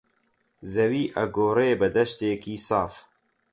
زەوی ئەگۆڕێ بە دەشتێکی ساف